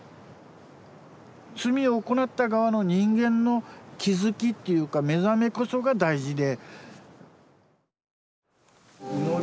罪を行った側の人間の気付きっていうか目覚めこそが大事で。